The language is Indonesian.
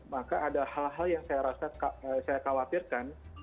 maka ada hal hal yang saya khawatirkan